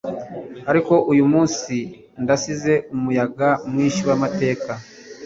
Ariko uyumunsi ndasize umuyaga mwinshi wamateka